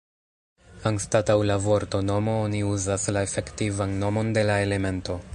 Anstataŭ la vorto "nomo" oni uzas la efektivan nomon de la elemento.